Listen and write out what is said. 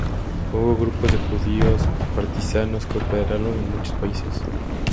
Hubo grupos de judíos partisanos que operaron en muchos países.